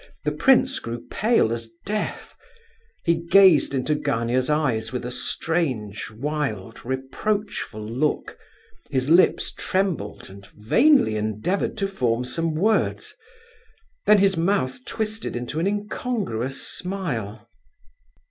The prince grew pale as death; he gazed into Gania's eyes with a strange, wild, reproachful look; his lips trembled and vainly endeavoured to form some words; then his mouth twisted into an incongruous smile.